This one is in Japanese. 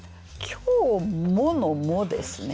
「今日も」の「も」ですね。